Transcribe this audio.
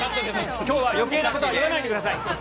きょうはよけいなことは言わないでください。